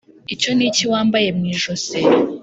icyo ni iki wambaye mu ijosi ?